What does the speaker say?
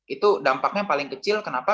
itu dampaknya paling kecil kenapa